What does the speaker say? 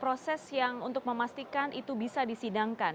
proses yang untuk memastikan itu bisa disidangkan